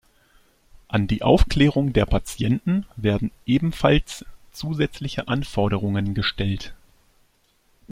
An die Aufklärung der Patienten werden ebenfalls zusätzliche Anforderungen gestellt.